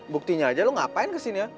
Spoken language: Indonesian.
buktinya aja lu ngapain kesini ya